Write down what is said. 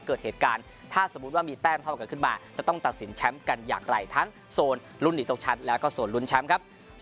เกิดเหตุการณ์ถ้าสมมุติว่ามีแต้มเท่าเกิดขึ้นมาจะต้องตัดสินแชมป์กันอย่างไรทั้งโซนลุ้นหนีตกชั้นแล้วก็โซนลุ้นแชมป์ครับ